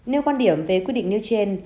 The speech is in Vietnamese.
nếu quan điểm về quy định như trên